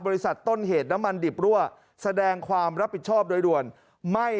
ต้นเหตุน้ำมันดิบรั่วแสดงความรับผิดชอบโดยด่วนไม่